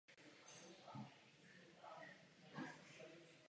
Může se předsednictví vyjádřit, jestli přijme tyto rozpočtové závazky?